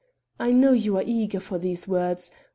I know you are eager for these words.